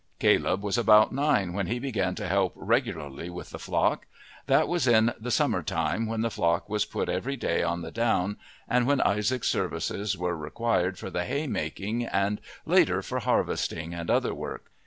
Caleb was about nine when he began to help regularly with the flock; that was in the summer time, when the flock was put every day on the down and when Isaac's services were required for the haymaking and later for harvesting and other work.